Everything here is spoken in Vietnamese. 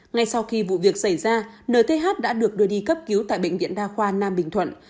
ngay sau khi vụ việc xảy ra nth đã được đưa đi cấp cứu tại bệnh viện đa khoa nam bình thuận